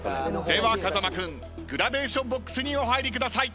では風間君グラデーションＢＯＸにお入りください。